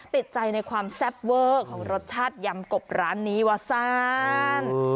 ติดใจในความแซ่บเวอร์ของรสชาติยำกบร้านนี้ว่าซ่าน